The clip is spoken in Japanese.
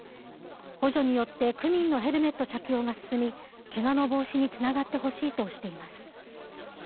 補助によって、区民のヘルメット着用が進み、けがの防止につながってほしいとしています。